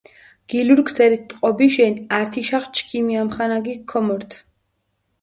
გილურქ სერით ტყობიშენ, ართიშახ ჩქიმ ამხანაგიქ ქომორთ.